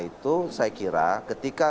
itu saya kira ketika